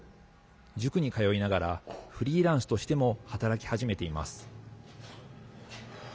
塾に通いながらフリーランスとしても働き始めています。